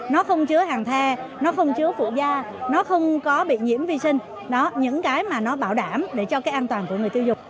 nó không chứa hàng the nó không chứa phụ da nó không có bị nhiễm vi sinh đó những cái mà nó bảo đảm để cho cái an toàn của người tiêu dục